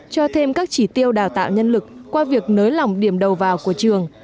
cho thêm các chỉ tiêu đào tạo nhân lực qua việc nới lỏng điểm đầu vào của trường